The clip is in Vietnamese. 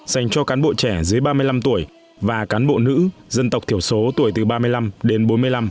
dành cho cán bộ trẻ dưới ba mươi năm tuổi và cán bộ nữ dân tộc thiểu số tuổi từ ba mươi năm đến bốn mươi năm